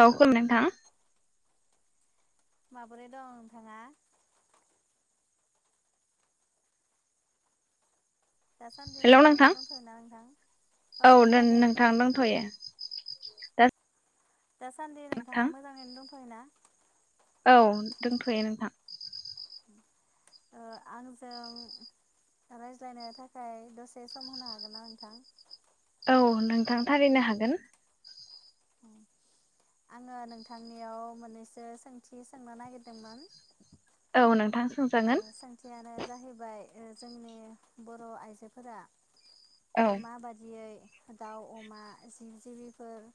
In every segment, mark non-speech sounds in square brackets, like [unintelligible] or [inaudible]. औ खोनाबाय [unintelligible] नोंथां माबोरै दं नोंथाङा? दासान्दि हेलौ नोंथां मोजाङैनो दंथ'यो ना नोंथां? औ खोनादों। नोंथां दंथ'यो दा दा सान्दि नोंथां नोंथाङा मोजाङैनो दंथयो ना? औ दंथ'यो नोंथां ओ आंजों रायज्लायनो थाखाय दसे सम होनो हागोनना नोंथां? औ नोंथां थारैनो हागोन। अ आङो नोंथांनियाव मोननैसो सोंथि सोंनो नागिरदोंमोन। औ नोंथां ओ सोंजागोन सोंथियानो जाहैबाय ओ जोंनि बर' आइजोफोरा ओ औ माबादियै दाउ अमा जि-जिबिफोर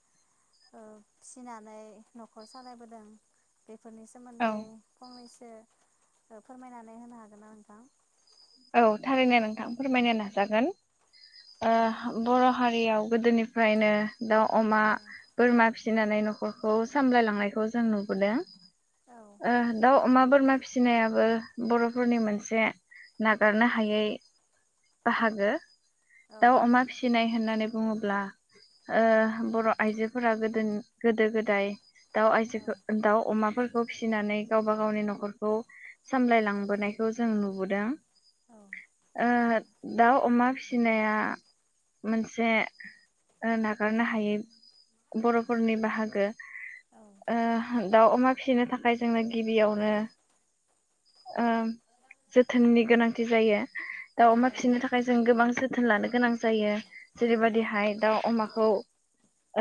ओ फिनानै नखर सालायबोदों। बेफोरनि औ सोमोन्दै फंनैसो सो ओ फोरमायनानै होनो हागोनना नोंथां औ थारैनो नोंथां फोरमायनो नाजागोन औ ओ दे बर' हारियाव गोदोनिफ्रायनो दाउ अमा औ बोरमा फिसिनानै न खरखौ सामलायलांनायखौ जों नुबोदों। औ ओ दाउ अमा बोर मा फिसिनायाबो बर'फोरनि मोनसे नागारनो हायै बाहागो। औ दाउ अमा फिसिनाय होननानै बुङोब्ला ओ बर' आइजोफोरा गोदोन गोदो-गोदाय दाउ औ आइजोखो दाउ अमाफोरखौ फिसिनानै गावबा गावनि नखरखौ सामलायलांबोनायखौ जों नुबोदों। ओ औ दाउ अमा फिसिनाया मोनसे ओ नागारनो हायै बर' फोरनि बाहागो औ ओ दाउ अमा फिसिनो थाखाय जोंनो गिबियावनो ओ जोथोननि गोनांथि जायो। दाउ अमा फिसिनो औ थाखाय जों गोबां जो थोन लानो गोनां जायो जेरैबादिहाय दाउ अमाखौ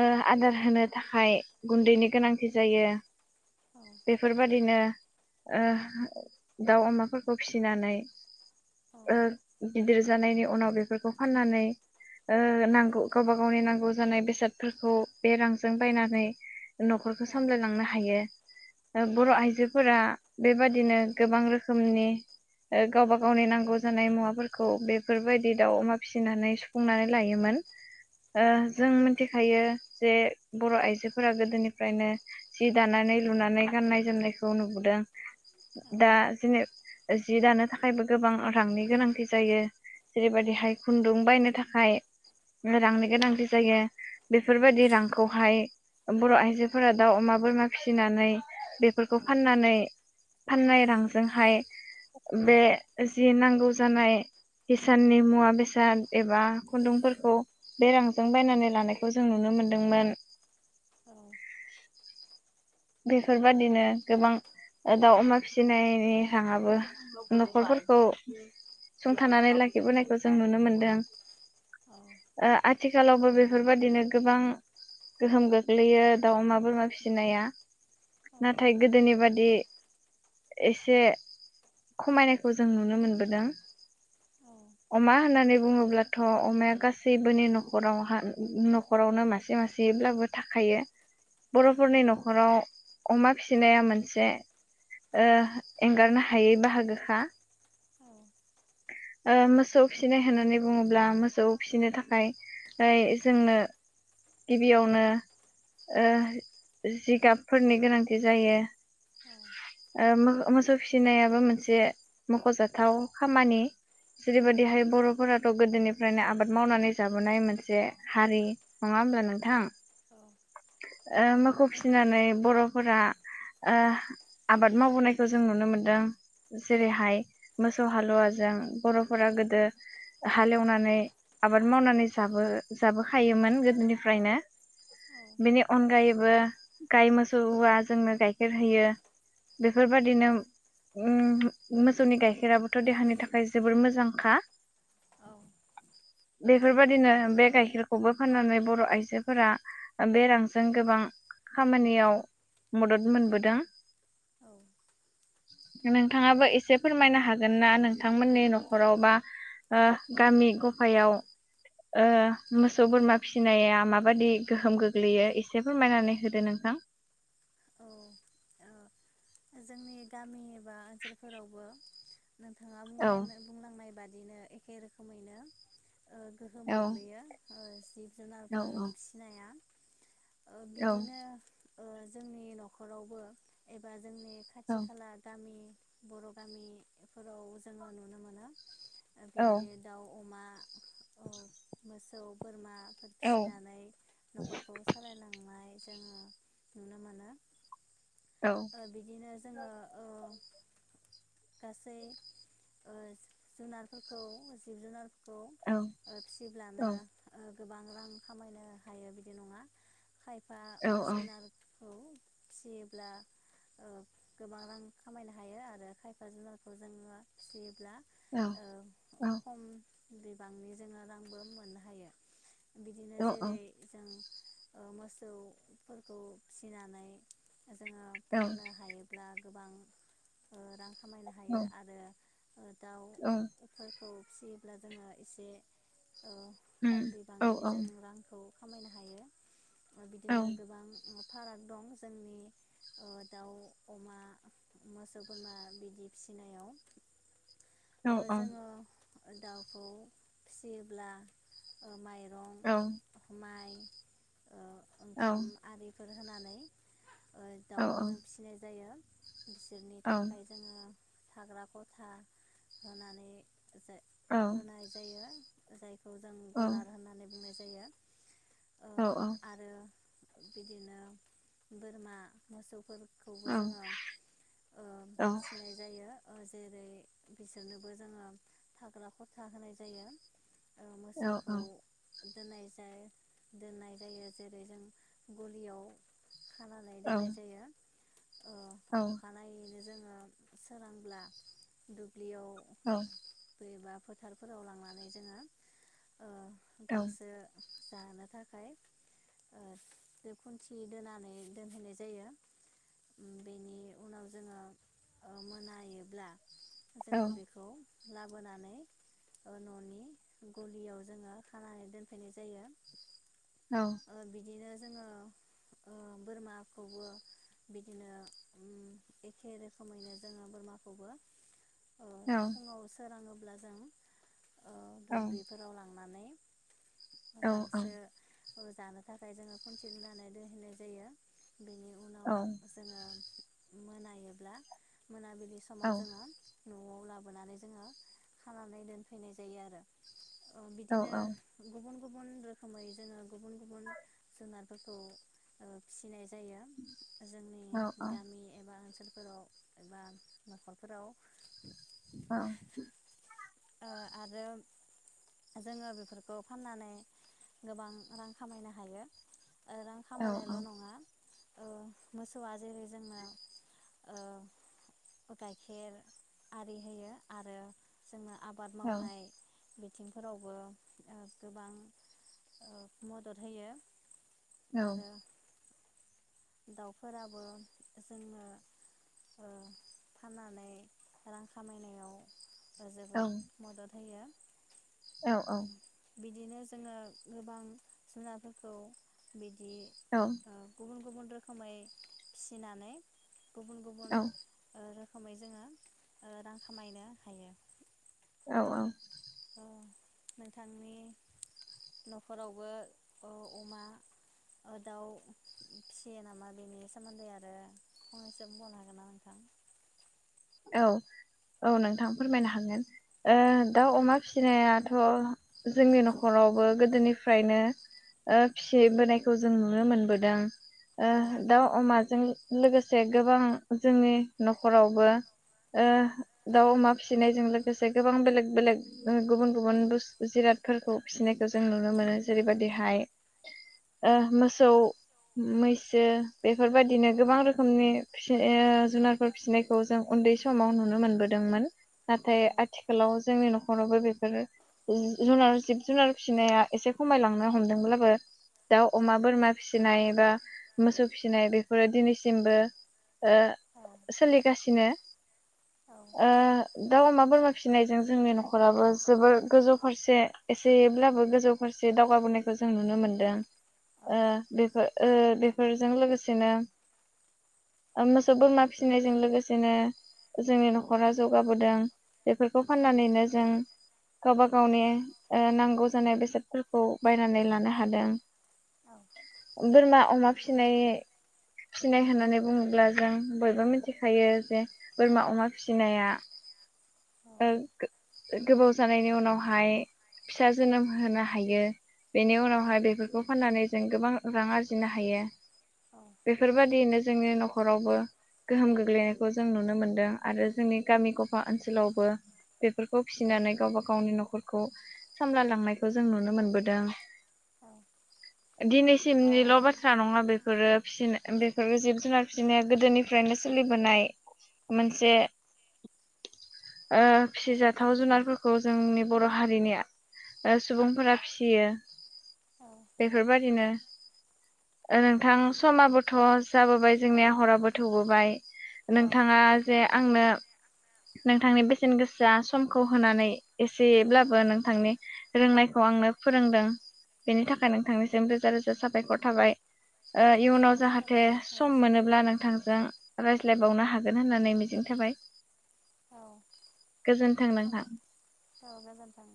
ओ आदार होनो थाखाय गुन्दैनि गोनांथि जायो। औ बेफोरबादिनो ओ दाउ अमाफोरखौ फिसिनानै औ औ नंगौ औ ओ गिदिर जानायनि उनाव बेफोरखौ फाननानै ओ नांगौ गावबा गावनि नांगौ जानाय बेसादफोरखौ बे रांजों बायनानै नखरखौ सामलायलांनो हायो। ओ बर' आइजोफोरा बेबादिनो गोबां रोखोमनि ओ गावबा गावनि नांगौ जानाय मुवाफोरखौ बेफोरबायदि दाउ अमा फिसिनानै सुफुंनानै लायोमोन। ओ जों मोनथिखायो। जे बर' आइजोफोरा गोदोनिफ्रायनो जि दानानै लुनानै गाननाय जोमनायखौ नुबोदों दा जेने जि दानो थाखायबो गोबां रांनि गोनांथि जायो। जेरैबायदि हाय खुन्दुं बायनो थाखा हाय रांनि गोनांथि जायो औ बेफोरबायदि रांखौहाय ओ बर' आइजोफोरा दाउ, अमा, बोरमा फिसिनानै बेफोरखौ औ औ फाननानै फाननाय रांजोंहाय बे सि जि नांगौ जानाय हिसाननि मुवा बेसाद एबा खुन्दुंफोरखौ बे रांजों बायनानै लानायखौ जों नुनो मोनदोंमोन। औ बेफोरबादिनो गोबां ओ दाउ अमा फिसिनाय रांआबो नखरफोरखौ सुंथानानै लाखिबोनायखौ जों नुनो मोनदों। ओ आथ थिखालावबो बेफोरबायाददिनो गोबां गोहोम गोग्लैयो दाउ अमा बोरमा फिसिनाया। नाथाय गोदोनि बादि एसे खमायनायखौ जों नुनो मोनबोदों। अमा होननानै बुङोब्लाथ अमाया गासैबोनि न'खराव हा न'खरावनो मासे मासेयैब्लाबो थाखायो बर'फोरनि न'खराव अमा फिसिनाया मोनसे ओ एंगारनो हायै बाहागोखा ओ मोसौ फिसिनाय होननानै बुङोब्ला मोसौ फिसिनो थाखाय यै जोंनो गिबियावनो ओ जिगाब फोरनि गोनांथि जायो। औ ओ मोख मोसौ फिसिनायाबो मोनसे मखजाथाव खामानि। जेरैबायदिहाय बर'फोराथ' गोदोनिफ्रायनो आबाद मावनानै जाबोनाय मोनसे हारि। नङा होमबा नोंथां? ओ मोखौ फिनानै बर'फोरा ओ आबाद मावबोनायखौ जों नुनो मोनदों। जेरैहाय मोसौ हालुवाजों बरफोरा गोदो हालेवनानै आबाद मावनानै जाबो जाबोखायोमोन गोदोनिफ्रायनो। बेनि अनगायै बो गाय मोस सौआ जोंनो गाइखेर होयो। बेफोरबादिनो उम मोसौनि गाइखेराबोथ देहानि थाखाय जोबोर मोजांखा। बेफोरबादिनो बे गाइखेरखौबो फाननानै बर' आइजोफोरा ओ बे रांजों गोबां खामानियाव मदद मोनबोदों। औ नोंथाङाबो एसे फोरमायना हागोन ना? नोंथांमोननि न'खराव बा ओ गामि गफायाव ओ मोसौ बोरमा फिनाया माबाददि गोहोम गोग्लैयो एसे फोरमायनानै होदो नोंथां। जोंनि गामि एबा ओनसोलफोरावबो नोंथाङा औ बुंनायनो बुंनांनाय बादि बिदिनो एखे रोखोमैनो ओ गोहोम औ गोग्लैयो। ओ सि औ जुनारफोर फिनाया ओ औ बिदिनो ओ जोंनि न'खरावबो एबा जोंनि औ खाथि खाला गामि। बर' गामिफोराव जोङो नुनो मोनो। ओ औ बिदि दाउ अमा। अ मोसा सौ बोरमा। औ फिसिनानै नखरखौ सालायलांनाय जोङो नुनो मोनो औ ओ बिदिनो जोङो औ। गासै ओ जुनारफोरखौ जिब जुनार। खौ ओ फिसिब्लानो औ ओ। गोबां रां खामायनो हायो बिदि नङा। खायफा ओ औ जुनारखौ फिसियोब्ला ओ गोबां रां खामायनो हायो आरो खायफा जुनारखौ जोङो फि ब्ला औ औ ओ औ खम बिबांनि जोङो रांबो मोननो हायो। बिदिनो जेरै जों ओ मोसौफोरखौ फिनानै जोङो फाननो हायोब्ला। गोबां ओ रां। खामायनो हायो आरो। ओ दाउ बेफोर। खौ फिसियोब्ला जोङो एसे। ओ खम बिबांनि जों रांखौ। खामायनो हायो। बिदिनो गोबां। फाराग दं जोंनि। ओ दाउ अमा मोसौ बोरमा बिदि फिसिनायाव। ओ जोङो। दाउखौ फिसियोब्ला ओ माइरं। औ। माइ ओ ओंखाम आरि। फोर होनानै। दाउखौ जों फिसिनाय जायो। बिसोरनि थाखाय जोंओ। थाग्रा खथा होनानै होनाय जायो। जाय खौ जों गलार होननानै बुंनोसै। जायो। औ आरो बिदिनो बोरमा मोसौफोर। खौबो जोङो ओ फिनाय जायो। ओ जेरै बिसोरनोबो जोङो थाग्रा खथा होनाय जायो। ओ मोसौखौ दोननाय जायो दोननाय जायो जेरै जों गलियाव। खानानै दोननाय ओ औ। अखानायैनो जोङो सोरांब्ला दुब्लियाव औ। एबा फोथारफोराव लांनानै जोङो ओ गांसो जानो थाखाय ओ दोखुन्थि दोनानै दोनहैनाय जायो। बेनि उनाव जोङो ओ मोनायोब्ला जोङो बेखौ लाबोनानै ओ न'नि गलियाव जोङो खानानै दोनफैनाय जायो। ओ बिदिनो जोङो ओ बोरमाखौबो बिदिनो ओम एखे रोखोमैनो जोङो बोरमाखौबो ओ फुङाव सोराङो अब्ला जों ओ दुब्लिफोराव लांनानै गांसो ओ जानो थाखाय जोङो खुन्थिया दोनानै दोनहैनाय जायो बेनि उनाव जोङो मोनायोब्ला मोनाबिलि समाव जोङो न'आव लाबोनानै जोङो खानानै दोनफैनाय जायो आरो। अ बिदिनो गुबुन गुबुन रोखोमै जोङो गुबुन गुबुन जुनारफोरखौ ओ फिसिनाय जायो। जोंनि गामि एबा ओनसोल फोराव एबा न'खरफोराव ओं ओ आरो जोङो बेफोरखौ फाननानै गोबां रां खामायनो हायो। रां खामायनायल' नङा। ओ मोसौआ जेरै जोङो ओ गाइखेर आरि होयो आरो जोङो आबाद मावनाय बिथिंफोरावबो ओ गोबां ओ मदद होयो। औ आरो दाउफोराबो जोङो ओ फाननानै रां खामायनायाव‌ जोबोद मदद होयो। औ औ बिदिनो जोङो गोबां जुनारफोरखौ बि दि ओ गुबुन गुब रोखोमै फिसिनानै गुबुन गुबुन ओ रोखोमै जोङो ओ रां खामायनो हायो। औ औ ओ नोंथांनि न'खरावबो ओ अमा दाउ फिसियो नामा बेनि सोमोन्दै आरो फंनैसो बुंबावनो हागोन ना नोंथां औ औ नों थां फोरमायनो हागोन औ दाउ अमा फिसिनाया थ' जोंनि न'खरावबो गोदोनिफ्रायनो ओ फिसिबोनायखौ जों नुनो मोनबोदों। ओ औ दाउ अमा जों लोगोसे गोबां जोंनि न'खरावबो ओ औ दाउ अमा फिसिनायजों लोगोसे गोबां बेलेग बेलेग ओ गुबुन गुबुन फिसिनायखौ जों नुनो मोनो जेरैबायदिहाय ओ मोसौ, मैसो बेफोरबायदिनो गोबां रोखोमनि फिसि ओ जुनारफोर फिसिनायखौ जों उन्दै समाव नुनो मोनबोदोंमोन नाथाय औ आथिखालाव जोंनि न'खरावबो बेफोर जु-जुनार जिब-जुनार फिसिनाया एसे खमायलांनो हमदोंब्लाबो दाउ औ अमा बोरमा फिसिनाय दा मोसौ फिसिनाय बेफोरो दिनैसिमबो ओ औ सोलिगासिनो औ ओ दाउ अमा बोरमा फिसिनायजों जोंनि न'खराबो जोबोर गोजौ फारसे एसेब्लाबो गोजौ फारसे दावगाबोनायखौ जों नुनो मोनदों। औ ओ बेखो- ओ बेफोरजों लोगोसेनो मोसौ बोरमा फिसिनायजों लोगोसेनो जोंनि न'खरा जौगाबोदों बेफोरखौ फाननानैनो जों गावबा गावनि ओ नांगौ जानाय बेसादफोरखौ बायनानै लानो हादों बोरमा अमा फिसिनाय फिसिनाय होननानै बुङोब्ला जों बयबो मोनथिखायो जे बोरमा अमा फिसिनाया ओ गो गोबाव जानायनि उनावहाय फिसा जोनोम होनो हायो। बेनि औ औ उनावहाय बेफोरखौ फाननानै जों गोबां रां आरजिनो हायो बेफोरबादिनो जोंनि न'खरावबो गोहोम गोग्लैनायखौ जों नु नुनो मोनदों आरो जोंनि गामि ग'फा ओनसोलावबो बेफोरखौ फिसिनानै गावबा गावनि न'खर खौ सामलाय लांनायखौ जों नुनो मोनबोदों दिनैसिमनिल' बाथ्रा नङा बे बेफोरो फिसिन बेफोरो जिब जुनार फिसिनाया गोदोनिफ्रायनो सोलिबोनाय मोनसे ओ औ फिसिजाथाव जुनारफोर खौ जोंनि बर' हारिनिया ओ सुबुंफोरा फिसियो औ बेफोरबादिनो ओ नोंथां समा बोथ' जाबोबाय औ औ जोंनिया हराबो थौबोबाय नोंथाङा औ जे आं नो नोंथांनि बेसेन गोसा समखौ होनानै एसेब्लाबो औ नोंथांनि रोंनायखौ आंनो फोरोंदों बेनि थाखाय नोंथांनिसिम रोजा रोजा साबायखर थाबाय। ओ इयुनाव साबायखर जाहाथे थाबाय सम नोंथांनिसिमबो मोनोब्ला नोंथांजों रायज्ल ज्लायबावनो हागोन होननानै मिजिं थाबाय। औ गोजोन्थों नोंथां [unintelligible] औ गोजोन् थों